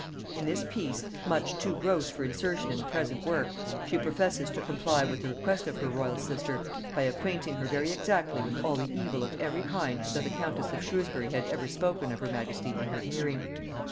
In this piece, much too gross for insertion in the present work, she professes to comply with the request of her royal sister, by acquainting her very exactly with all the evil of every kind that the countess of Shrewsbury had ever spoken of her majesty in her hearing.